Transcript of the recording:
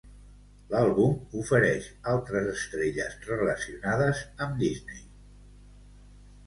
L'àlbum ofereix altres estrelles relacionades amb Disney.